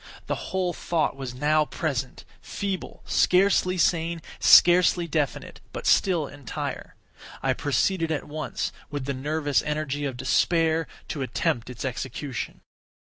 The whole thought was now present—feeble, scarcely sane, scarcely definite,—but still entire. I proceeded at once, with the nervous energy of despair, to attempt its execution.